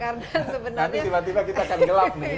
nanti tiba tiba kita akan gelap nih